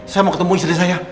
saya mau ketemu istri saya